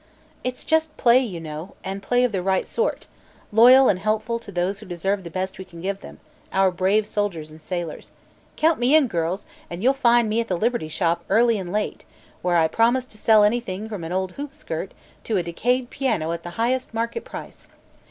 "It's just play, you know, and play of the right sort loyal and helpful to those who deserve the best we can give them, our brave soldiers and sailors. Count me in, girls, and you'll find me at the Liberty Shop early and late, where I promise to sell anything from an old hoopskirt to a decayed piano at the highest market price.